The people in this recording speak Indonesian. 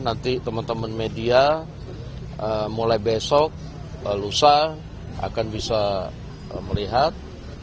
nanti teman teman media mulai besok lusa akan bisa melihat